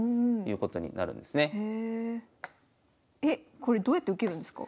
これどうやって受けるんですか？